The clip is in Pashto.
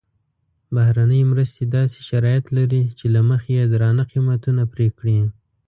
بهرنۍ مرستې داسې شرایط لري چې له مخې یې درانده قیمتونه پرې کړي.